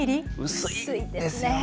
薄いですよね。